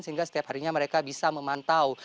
sehingga setiap harinya mereka bisa memantau